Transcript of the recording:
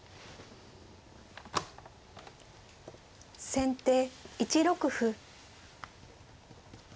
先手１六歩。